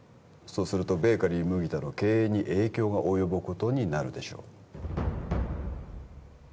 そうするとベーカリー麦田の経営に影響が及ぶことになるでしょう